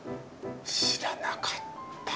知らなかった。